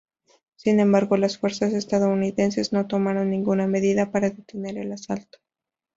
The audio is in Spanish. Sin embargo, las fuerzas estadounidenses no tomaron ninguna medida para detener el asalto.